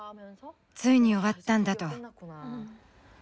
ついに終わったんだ」と。